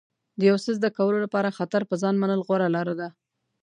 د یو څه زده کولو لپاره خطر په ځان منل غوره لاره ده.